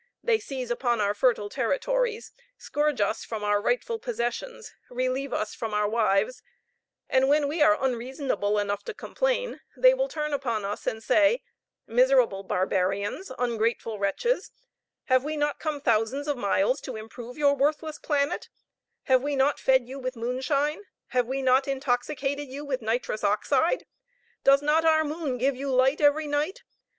They seize upon our fertile territories, scourge us from our rightful possessions, relieve us from our wives, and when we are unreasonable enough to complain, they will turn upon us and say, "Miserable barbarians! ungrateful wretches! have we not come thousands of miles to improve your worthless planet? have we not fed you with moonshine! have we not intoxicated you with nitrous oxide? does not our moon give you light every night?